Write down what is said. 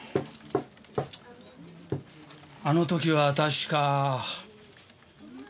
あの時は確か。